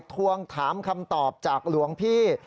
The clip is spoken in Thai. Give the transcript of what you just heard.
ทวงถามคำตอบจากหลวงพี่